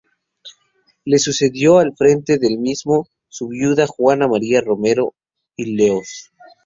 Le sucedió al frente del mismo, su viuda Juana María Romero y Leoz.